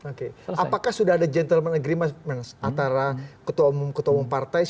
oke apakah sudah ada gentleman agreement antara ketua umum ketua umum partai